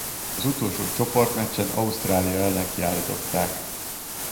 Az utolsó csoportmeccsen Ausztrália ellen kiállították.